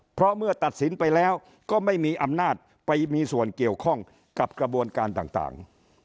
เพราะเมื่อตัดสินไปแล้วก็ไม่มีอำนาจไปมีส่วนเกี่ยวข้องกับกระบวนการต่าง